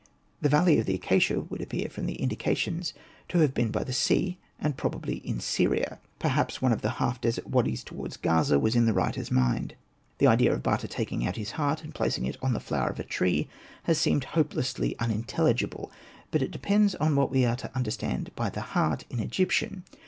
The valley of the acacia would appear from the indications to have been by the sea, and probably in Syria ; perhaps one of the half desert wadis toward Gaza was in the writer'^ Hosted by Google 76 ANPU AND BATA mind. The idea of Bata taking out his heart, and placing it on the flower of a tree, has seemed hopelessly unintelligible. But it depends on what we are to understand by the heart in Egyptian.